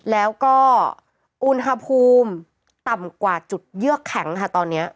แล้วก็อุณหภูมิต่ำกว่าจุดเยือกแข็งค่ะตอนนี้